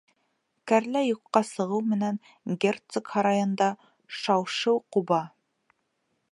Кәрлә юҡҡа сығыу менән герцог һарайында шау-шыу ҡуба.